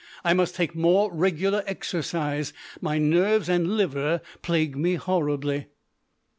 I must take more regular exercise; my nerves and liver plague me horribly.